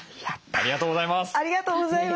ありがとうございます。